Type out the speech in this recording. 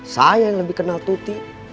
saya yang lebih kenal tuti